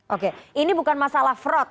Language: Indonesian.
oke ini bukan masalah fraud